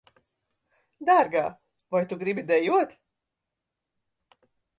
Dārgā, vai tu gribi dejot?